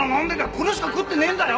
これしか食ってねえんだよ！？